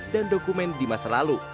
dan dokumen di masa lalu